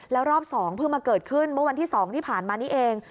แล้วรอบ๒เพิ่งมาเกิดขึ้นเมื่อวันที่๒ที่ผ่านมานี้เอง